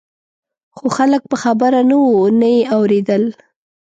خو خلک په خبره نه وو نه یې اورېدل.